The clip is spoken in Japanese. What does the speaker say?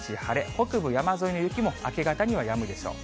北部山沿いの雪も明け方にはやむでしょう。